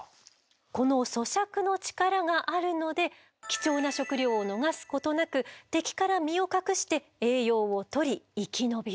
この咀嚼の力があるので貴重な食料を逃すことなく敵から身を隠して栄養をとり生き延びる。